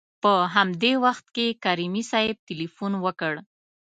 په همدې وخت کې کریمي صیب تلېفون وکړ.